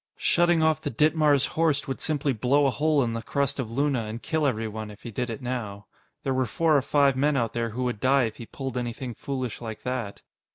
Shutting off the Ditmars Horst would simply blow a hole in the crust of Luna and kill everyone if he did it now. There were four or five men out there who would die if he pulled anything foolish like that.